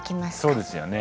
そうですよね。